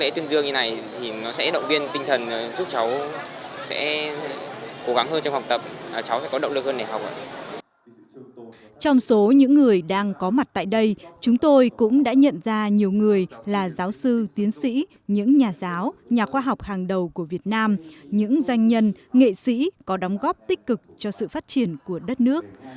trong số những người đang có mặt tại đây chúng tôi cũng đã nhận ra nhiều người là giáo sư tiến sĩ những nhà giáo nhà khoa học hàng đầu của việt nam những doanh nhân nghệ sĩ có đóng góp tích cực cho sự phát triển của đất nước